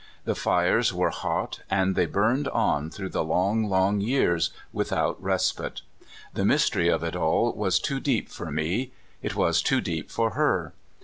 The fires were hot, and they burned on through the long, long years without respite. The mystery of it all was too deep for me; it was too deep for her.